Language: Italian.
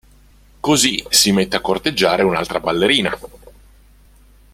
Così si mette a corteggiare un'altra ballerina.